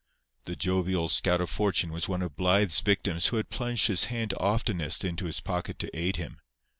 The jovial scout of Fortune was one of Blythe's victims who had plunged his hand oftenest into his pocket to aid him.